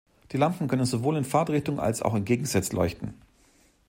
Die Lampen können sowohl in Fahrtrichtung, als auch entgegengesetzt leuchten.